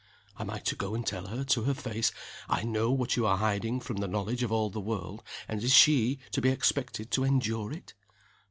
Am I to go and tell her to her face: 'I know what you are hiding from the knowledge of all the world;' and is she to be expected to endure it?"